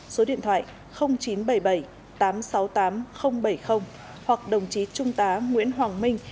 số điện thoại chín trăm bảy mươi bảy tám trăm sáu mươi tám bảy mươi hoặc đồng chí trung tá nguyễn hoàng minh